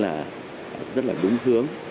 là rất là đúng hướng